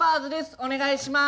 お願いします！